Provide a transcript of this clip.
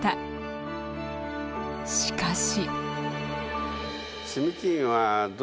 しかし。